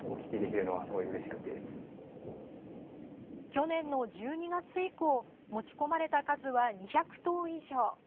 去年の１２月以降持ち込まれた数は２００頭以上。